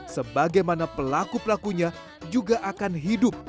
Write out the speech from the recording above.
sebagaimana pelaku pelakunya juga akan hidup